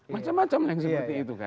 macam macam yang seperti itu kan